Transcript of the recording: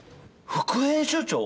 副編集長！？